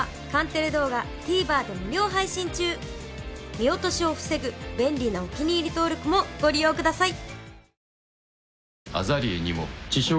見落としを防ぐ便利なお気に入り登録もご利用ください。